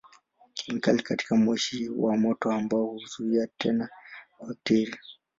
Kemikali katika moshi wa moto wa mbao huzuia tena bakteria.